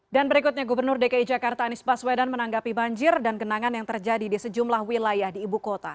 dan berikutnya gubernur dki jakarta anies baswedan menanggapi banjir dan genangan yang terjadi di sejumlah wilayah di ibu kota